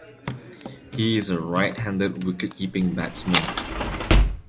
He is a right-handed wicketkeeping batsman.